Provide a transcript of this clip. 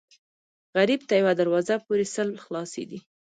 غریب ته یوه دروازه پورې سل خلاصې دي